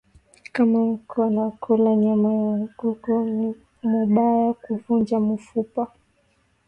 Kama uko na kula nyama ya nkuku ni mubaya kuvunja mufupa